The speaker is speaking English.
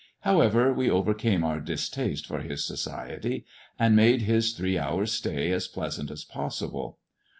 However, we overcame our distaste for his society, and made his three hours' stay as pleasant as possible.